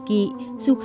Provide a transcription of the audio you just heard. nhằm giữ vũ khí